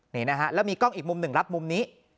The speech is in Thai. นี่นะฮะแล้วมีกล้องอีกมุมหนึ่งรับมุมนี้